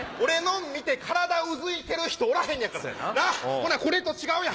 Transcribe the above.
ほなこれと違うやん。